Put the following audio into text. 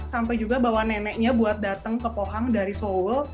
sampai juga bawa neneknya buat datang ke pohang dari seoul